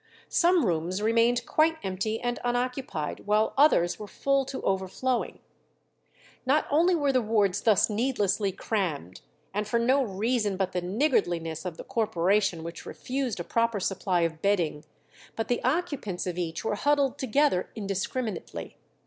Some rooms remained quite empty and unoccupied, while others were full to overflowing. Not only were the wards thus needlessly crammed, and for no reason but the niggardliness of the corporation which refused a proper supply of bedding, but the occupants of each were huddled together indiscriminately.